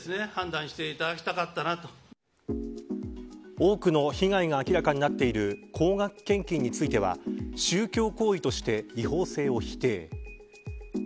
多くの被害が明らかになっている高額献金については宗教行為として違法性を否定。